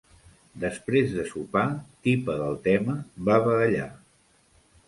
Després de sopar, tipa del tema, va badallar.